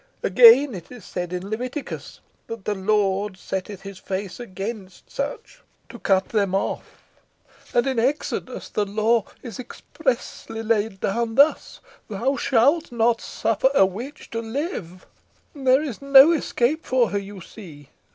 Again, it is said in Leviticus, that 'the Lord setteth his face against such, to cut them off.' And in Exodus, the law is expressly laid down thus 'THOU SHALT NOT SUFFER A WITCH TO LIVE.' There is no escape for her, you see.